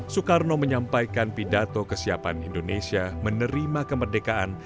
soekarno menyampaikan pidato kesiapan indonesia menerima kemerdekaan